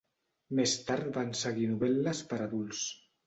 Més tard van seguir novel·les per adults.